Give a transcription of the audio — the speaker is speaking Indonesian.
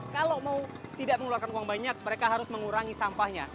kalau mau tidak mengeluarkan uang banyak mereka harus mengurangi sampahnya